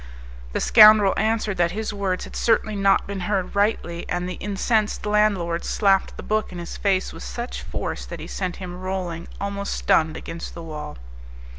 The scoundrel answered that his words had certainly not been heard rightly, and the incensed landlord slapped the book in his face with such force that he sent him rolling, almost stunned, against the wall.